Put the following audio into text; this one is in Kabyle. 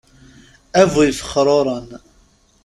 A bu ifexruren!